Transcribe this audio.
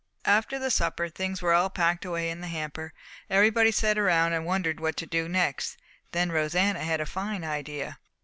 After the supper things were all packed away in the hamper, everybody sat around and wondered what to do next. Then Rosanna had a fine idea.